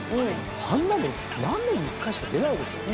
あんなの何年に一回しか出ないですよ。